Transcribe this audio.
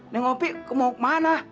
neng opi lo mau ke mana